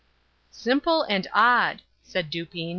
"Simple and odd," said Dupin.